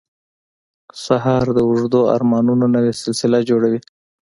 سهار د اوږدو ارمانونو نوې سلسله جوړوي.